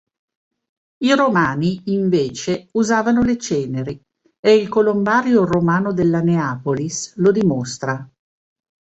I romani invece usavano le ceneri e il colombario romano della Neapolis lo dimostra.